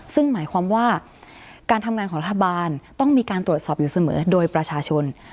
ซึ่งหมายความว่าการทำงานของรัฐบาลต้องมีการตรวจสอบอยู่เสมอโดยประชาชน